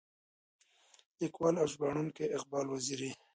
ليکوال او ژباړونکی اقبال وزيري.